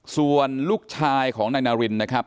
ส่วนลูกชายของนายนารินนะครับ